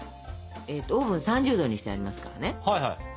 オーブン３０℃にしてありますからね。